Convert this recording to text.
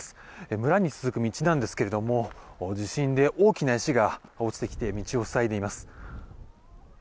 村に続く道なんですけれども地震で大きな石が落ちてきて道を塞いでいます。